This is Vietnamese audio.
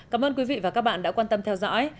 cảm ơn quý vị và các bạn đã quan tâm theo dõi